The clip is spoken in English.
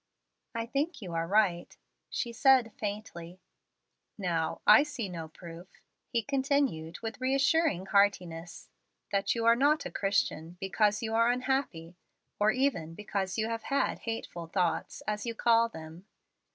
"I think you are right," she said faintly. "Now, I see no proof," he continued, with reassuring heartiness, "that you are not a Christian because you are unhappy, or even because you have had 'hateful thoughts,' as you call them.